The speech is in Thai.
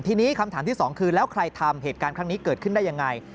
ทีนี้คำถามที่สองคือแล้วใครทำเหตุการณ์ครั้งนี้เกิดขึ้นได้ยังไง